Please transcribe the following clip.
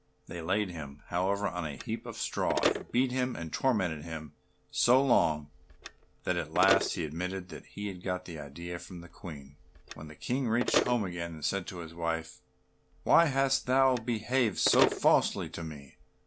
They laid him, however, on a heap of straw, and beat him and tormented him so long that at last he admitted that he had got the idea from the Queen. When the King reached home again, he said to his wife, "Why hast thou behaved so falsely to me?